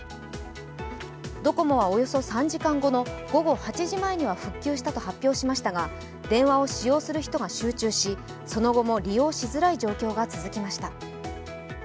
ドコモはおよそ３時間後の午後８時前には復旧したと発表しましたが電話を使用する人が集中し、その後も利用しづらい状況が続きました。